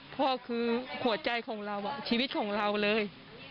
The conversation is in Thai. พ่อคือหัวใจของเราชีวิตของเราเลย